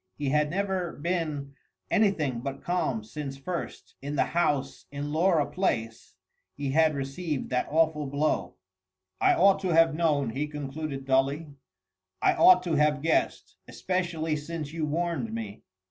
He had never been anything but calm since first, in the house in Laura Place, he had received that awful blow. "I ought to have known," he concluded dully, "I ought to have guessed. Especially since you warned me."